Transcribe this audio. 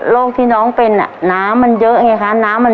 โรคที่น้องเป็นน้ำมันเยอะไงค่ะ